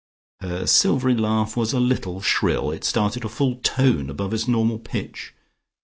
Her silvery laugh was a little shrill. It started a full tone above its normal pitch.